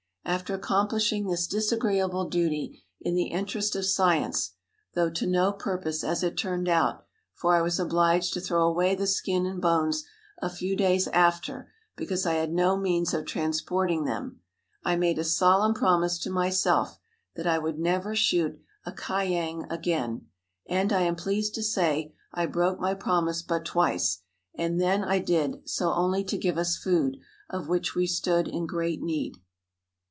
After accomplishing this disagreeable duty in the interest of science though to no purpose, as it turned out, for I was obliged to throw away the skin and bones a few days after, because I had no means of transporting them I made a solemn promise to myself that I would never shoot a kyang again; and, I am pleased to say, I broke my promise but twice, and then I did so only to give us food, of which we stood in great need.